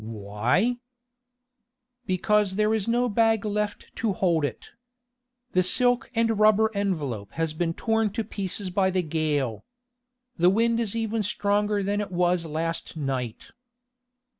"Why?" "Because there is no bag left to hold it. The silk and rubber envelope has been torn to pieces by the gale. The wind is even stronger than it was last night."